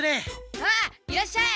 あっいらっしゃい！